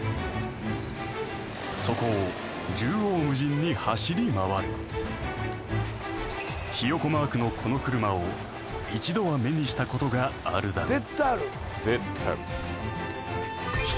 そこを縦横無尽に走り回るひよこマークのこの車を一度は目にしたことがあるだろう